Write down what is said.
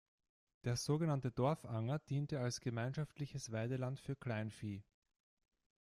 Der sogenannte Dorfanger diente als gemeinschaftliches Weideland für Kleinvieh.